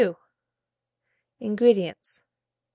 INGREDIENTS.